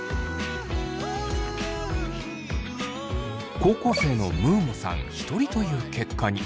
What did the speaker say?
高校生のムーモさん１人という結果に。